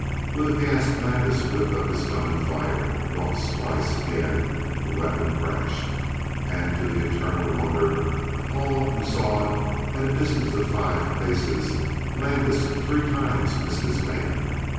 With a gasp Landis whipped up his gun and fired. Once, twice, again, the weapon crashed. And, to the eternal wonder of all who saw it, at a distance of five paces Landis three times missed his man.